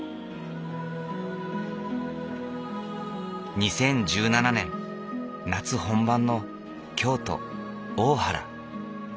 ２０１７年夏本番の京都・大原。